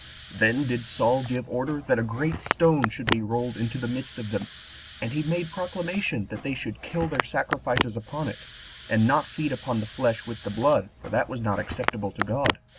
Then did Saul give order that a great stone should be rolled into the midst of them, and he made proclamation that they should kill their sacrifices upon it, and not feed upon the flesh with the blood, for that was not acceptable to God.